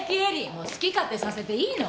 もう好き勝手させていいの？